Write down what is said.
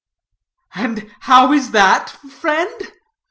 "And how is that, friend?"